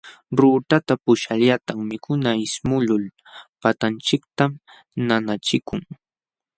Ruurtata puquśhqallatam mikuna ismuqlul patanchiktam nanachikun.